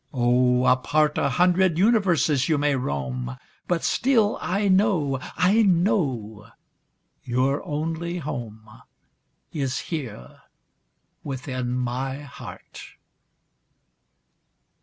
Oh, apart A hundred universes you may roam. But still I know — I know — your only home Is here within my heart